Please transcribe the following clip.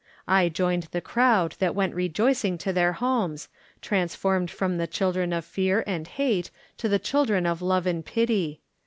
I joined the crowd that went rejoicing to their homes, transformed from the children of fear and hate to the children of love and pity.